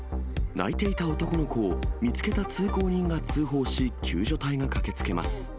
泣いていた男の子を見つけた通行人が通報し、救助隊が駆けつけます。